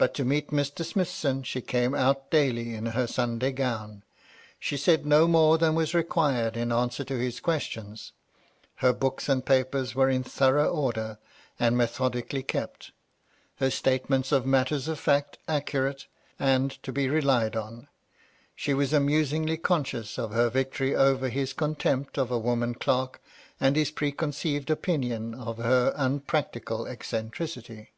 But, to meet Mr. Smithson, she came out daily in her Sunday gown ; she said no more than was required in answer to his questions ; her books and papers were in thorough order, and methodically kept; her statements of matters of fact accurate, and to be relied on. She was amusingly conscious of her victory over his con tempt of a woman clerk and his preconceived opinion of her unpractical eccentricity.